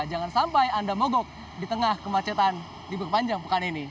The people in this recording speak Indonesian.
jangan sampai anda mogok di tengah kemacetan di perpanjang pekan ini